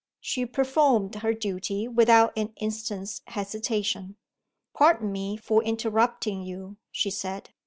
She performed her duty, without an instant's hesitation. "Pardon me for interrupting you," she said.